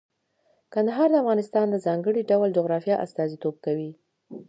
کندهار د افغانستان د ځانګړي ډول جغرافیه استازیتوب کوي.